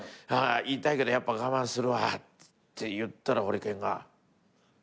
言いたいけどやっぱ我慢するわって言ったらホリケンが。